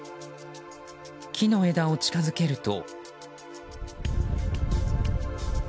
木の枝を近づけると。